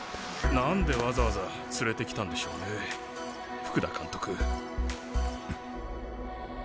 何でわざわざ連れてきたんでしょうね福田監督。